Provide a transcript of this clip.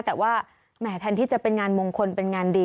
แต่ว่าแหมแทนที่จะเป็นงานมงคลเป็นงานดี